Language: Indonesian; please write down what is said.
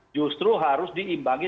justru harus diimbangi